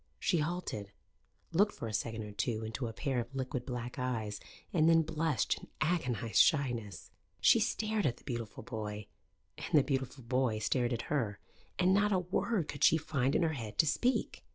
She halted, looked for a second or two into a pair of liquid black eyes and then blushed in agonized shyness. She stared at the beautiful boy, and the beautiful boy stared at her, and not a word could she find in her head to speak.